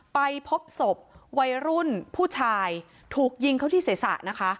ไปพบศพวัยรุ่นผู้ชายถูกยิงเขาที่ศีรษะนะคะ